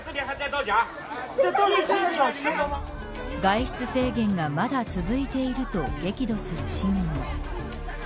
外出制限が、まだ続いていると激怒する市民も。